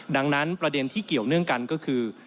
ดังนั้นประเด็นที่เกี่ยวเนื่องกันก็คือ